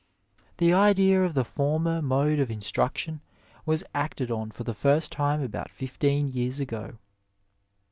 The idea of the former mode of instruction was acted on for the first time about fifteen years ago."